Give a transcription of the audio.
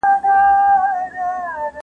سفیرانو به نوي تړونونه لاسلیک کول.